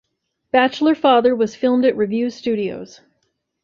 "Bachelor Father" was filmed at Revue Studios.